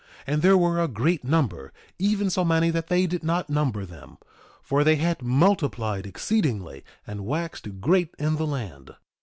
2:2 And there were a great number, even so many that they did not number them; for they had multiplied exceedingly and waxed great in the land.